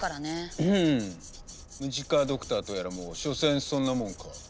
ムジカドクターとやらもしょせんそんなもんか。